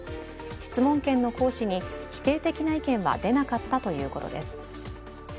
質問権の行使に否定的な意見は出なかったということです。